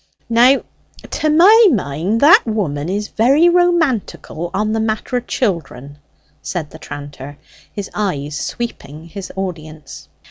"Now to my mind that woman is very romantical on the matter o' children?" said the tranter, his eye sweeping his audience.